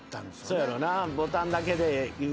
そやろな。